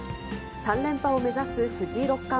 ３連覇を目指す藤井六冠。